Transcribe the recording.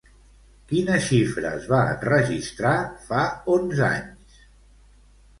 Quina xifra es va enregistrar fa onze anys?